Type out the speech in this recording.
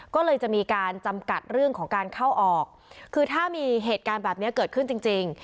ก็เลยจะมีการจำกัดเรื่องของการเข้าออกคือถ้ามีเหตุการณ์แบบนี้เกิดขึ้นจริงจริง